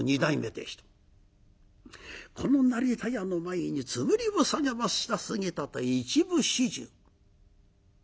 この成田屋の前に頭を下げました杉立一部始終。